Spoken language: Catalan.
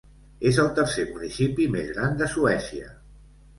És el tercer municipi més gran de Suècia.